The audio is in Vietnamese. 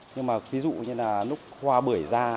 nhưng mà ví dụ như là nút hoa bưởi ra